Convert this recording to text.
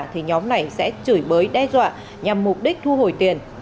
thì nhóm này sẽ chửi bới đe dọa nhằm mục đích thu hồi tiền